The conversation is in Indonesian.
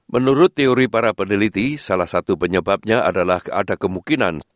menurut teori para peneliti salah satu penyebabnya adalah ada kemungkinan